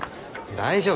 大丈夫。